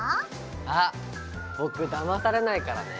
あっ僕だまされないからね。